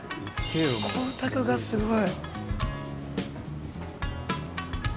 光沢がすごい。